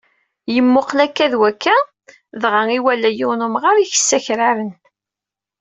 Yemmuqel akka d wakka, dɣa, iwala yiwen umɣar ikes akraren.